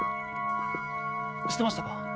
知ってましたか？